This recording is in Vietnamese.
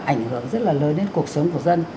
ảnh hưởng rất là lớn đến cuộc sống của dân